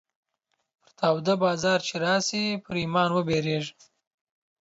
پر تا وده بازار چې راسې ، پر ايمان وبيرېږه.